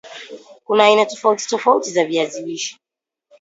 kuna aina tofauti tofauti za viazi lishe